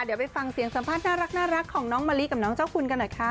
เดี๋ยวไปฟังเสียงสัมภาษณ์น่ารักของน้องมะลิกับน้องเจ้าคุณกันหน่อยค่ะ